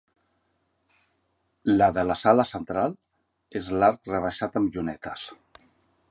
La de la sala central és d'arc rebaixat amb llunetes.